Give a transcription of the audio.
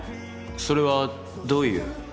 それはどういう